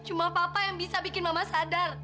cuma papa yang bisa bikin mama sadar